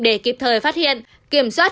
để kịp thời phát hiện kiểm soát